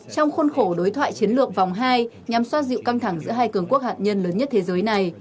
trong khuôn khổ đối thoại chiến lược vòng hai nhằm xoa dịu căng thẳng giữa hai cường quốc hạt nhân lớn nhất thế giới này